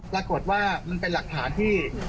ปรากฏว่ามันเป็นหลักฐานที่